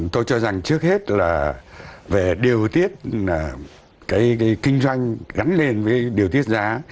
tôi cho rằng trước hết là về điều tiết cái kinh doanh gắn liền với điều tiết giá